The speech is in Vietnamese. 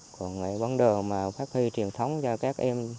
còn văn đồ phát huy truyền thống cho các em